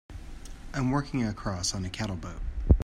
I'm working across on a cattle boat.